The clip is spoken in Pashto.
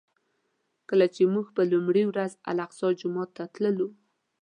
کله چې موږ په لومړي ورځ الاقصی جومات ته تللو.